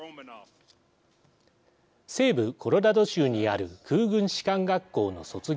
西部コロラド州にある空軍士官学校の卒業式。